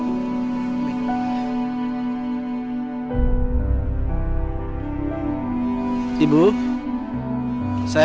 jangan sedih lagi ya